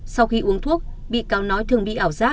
sau khi uống thuốc bị cáo nói thường bị ảo giác